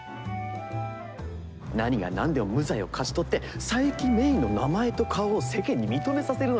何が何でも無罪を勝ち取って佐伯芽依の名前と顔を世間に認めさせるのよ。